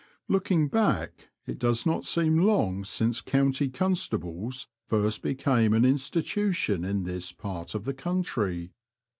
Looking back it does not seem long since county constables first became an insti tution in this part of the country.